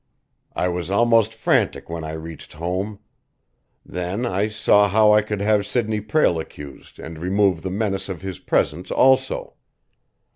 I was almost frantic when I reached home. Then I saw how I could have Sidney Prale accused and remove the menace of his presence also.